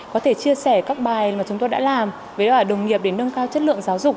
có thể chia sẻ các bài mà chúng tôi đã làm với đồng nghiệp để nâng cao chất lượng giáo dục